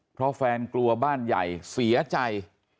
เพราะแฟนกลัวบ้านใหญ่เสียใจ